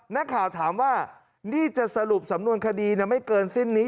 นักข่าวถามว่านี่จะสรุปสำนวนคดีไม่เกินสิ้นนี้